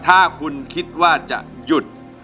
ถ้าคุณคิดว่าจะหยุด